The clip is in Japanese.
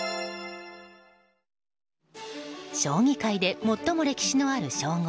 将棋界で最も歴史のある称号